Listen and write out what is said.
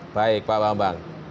baik pak bambang